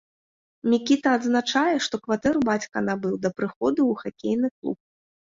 Мікіта адзначае, што кватэра бацька набыў да прыходу ў хакейны клуб.